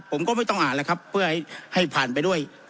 ผมก็ไม่ต้องอ่านแล้วครับเพื่อให้ผ่านไปด้วย